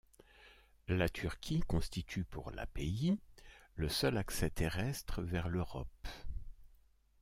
La Turquie constitue pour la pays le seul accès terrestre vers l'Europe.